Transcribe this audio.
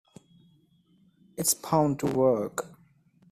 It's bound to work.